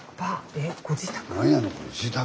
えご自宅？